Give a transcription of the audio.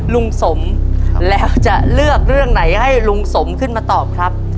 ลุงสมแล้วจะเลือกเรื่องไหนให้ลุงสมขึ้นมาตอบครับ